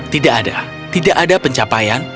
tidak ada tidak ada pencapaian